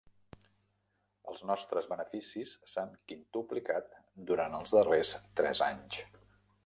Els nostres beneficis s'han quintuplicat durant els darrers tres anys.